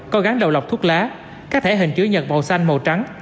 có gán đầu lọc thuốc lá các thẻ hình chứa nhật màu xanh màu trắng